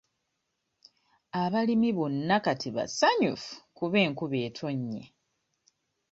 Abalimi bonna kati basanyufu kuba enkuba etonnye.